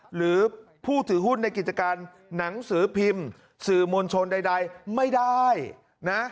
หรือผู้ถือหุ้นในกิจการหนังสือพิมพ์สื่อมวลชนใดไม่ได้นะ